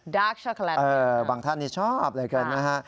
ดาร์กช็อกโกแลตเออบางท่านนี่ชอบเลยกันนะฮะ